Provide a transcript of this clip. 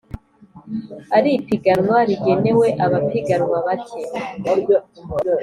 Ari ipiganwa rigenewe abapiganwa bake